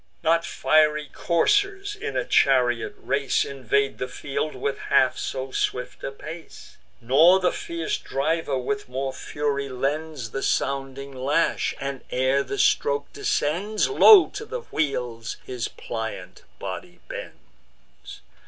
Not fiery coursers, in a chariot race, Invade the field with half so swift a pace; Not the fierce driver with more fury lends The sounding lash, and, ere the stroke descends, Low to the wheels his pliant body bends.